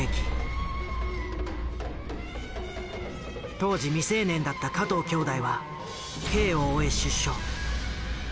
当時未成年だった加藤兄弟は刑を終え出所。